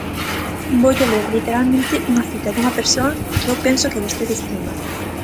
Voulle ler literalmente unha cita dunha persoa, que eu penso que vostede estima.